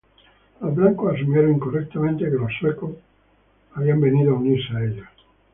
Los blancos asumieron incorrectamente que los suecos habían venido a unirse a ellos.